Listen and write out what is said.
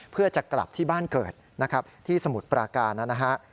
เพื่อจะกลับที่บ้านเกิดนะครับที่สมุทรปราการนะฮะ